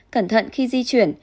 hai cẩn thận khi di chuyển